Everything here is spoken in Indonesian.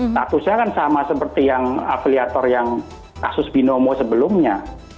statusnya kan sama seperti yang afiliator yang kasus binomo sebelumnya